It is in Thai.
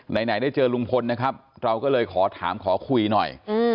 ไหนได้เจอลุงพลนะครับเราก็เลยขอถามขอคุยหน่อย